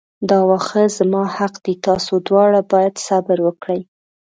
دا واښه زما حق دی تاسو دواړه باید صبر وکړئ.